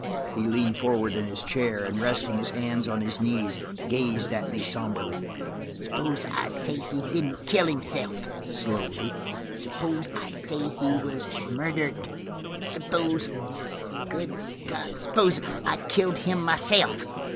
He leaned forward in his chair and, resting his hands on his knees, gazed at me somberly. "Suppose I say he didn't kill himself?" slowly. "Suppose I say he was murdered? Suppose–good God–suppose I killed him myself?"